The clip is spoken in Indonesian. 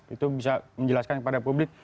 itu bisa menjelaskan kepada publik